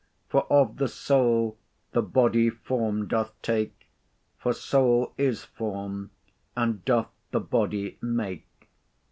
For of the soul the body form doth take: For soul is form, and doth the body make."